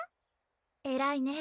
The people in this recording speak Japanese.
えらいね